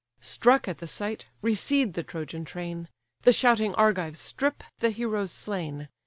Struck at the sight, recede the Trojan train: The shouting Argives strip the heroes slain.